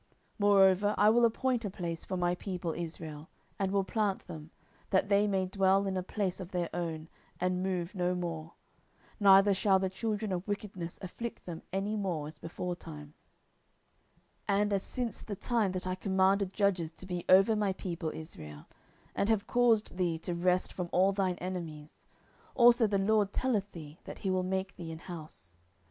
10:007:010 Moreover I will appoint a place for my people Israel, and will plant them, that they may dwell in a place of their own, and move no more; neither shall the children of wickedness afflict them any more, as beforetime, 10:007:011 And as since the time that I commanded judges to be over my people Israel, and have caused thee to rest from all thine enemies. Also the LORD telleth thee that he will make thee an house.